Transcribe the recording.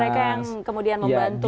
mereka yang kemudian membantu